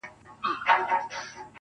د ټپې په رزم اوس هغه ده پوه سوه.